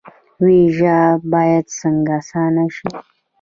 ویزه باید څنګه اسانه شي؟